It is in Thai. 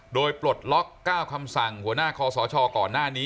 โดยปลดล็อก๙คำสั่งหัวหน้าคอสชก่อนหน้านี้